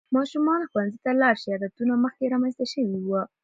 ماشومان ښوونځي ته لاړ شي، عادتونه مخکې رامنځته شوي وي.